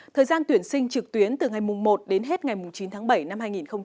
thời gian tuyển sinh trực tuyến từ ngày một đến hết ngày chín tháng bảy năm hai nghìn hai mươi